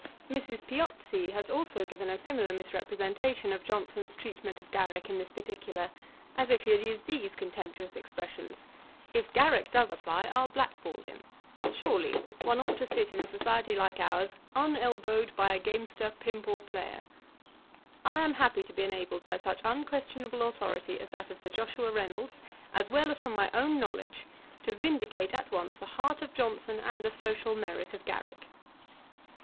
Mrs. Piozzi has also given a similar misrepresentation of Johnson's treatment of Garrick in this particular, as if he had used these contemptuous expressions: 'If Garrick does apply, I'll black ball him. Surely, one ought to sit in a society like ours, 'Unelbow'd by a gamester, pimp, or player.' I am happy to be enabled by such unquestionable authority as that of Sir Joshua Reynolds, as well as from my own knowledge, to vindicate at once the heart of Johnson and the social merit of Garrick.